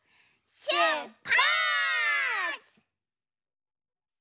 しゅっぱつ！